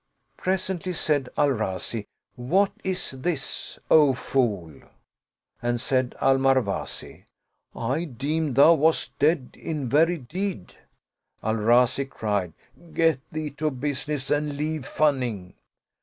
Presently said Al Razi, "What is this, O fool?" and said Al Marwazi, " I deemed thou wast dead in very deed." Al Razi cried, "Get thee to business, and leave funning."